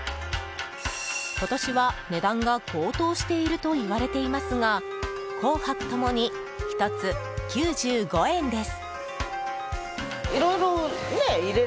今年は値段が高騰しているといわれていますが紅白共に１つ９５円です。